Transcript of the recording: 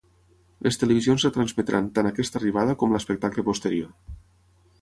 Les televisions retransmetran tant aquesta arribada com l’espectacle posterior.